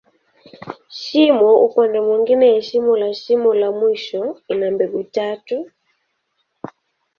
Shimo upande mwingine ya mwisho la shimo la mwisho, ina mbegu tatu.